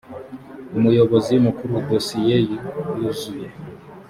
umuyobozi mukuru dosiye yuzuye